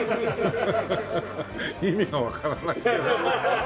意味がわからないよね。